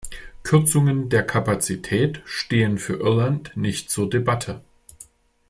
Kürzungen der Kapazität stehen für Irland nicht zur Debatte.